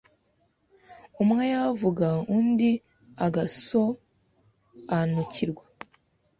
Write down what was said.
umwe yavuga undi agasoanukirwa